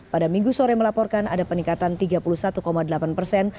pada minggu sore melaporkan ada peningkatan tiga puluh satu delapan persen